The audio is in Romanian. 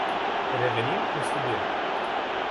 Revenim în studio.